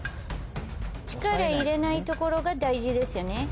力入れないところが大事ですよね